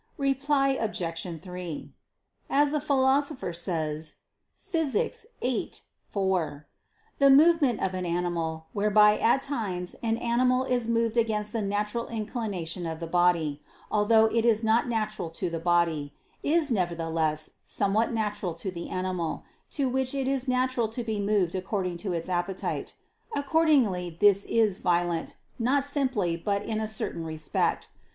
Reply Obj. 3: As the Philosopher says (Phys. viii, 4) the movement of an animal, whereby at times an animal is moved against the natural inclination of the body, although it is not natural to the body, is nevertheless somewhat natural to the animal, to which it is natural to be moved according to its appetite. Accordingly this is violent, not simply but in a certain respect.